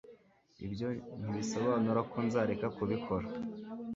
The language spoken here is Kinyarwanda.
ibyo ntibisobanura ko nzareka kubikora